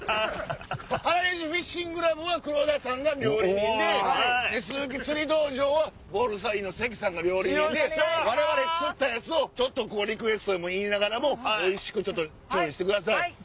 原西フィッシングクラブは黒田さんが料理人で鈴木釣り道場はボルサリーノ・関さんが料理人で我々釣ったやつをリクエスト言いながらもおいしく調理してください。